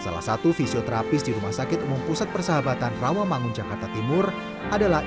salah satu fisioterapis di rumah sakit umum pusat persahabatan rawamangun jakarta timur adalah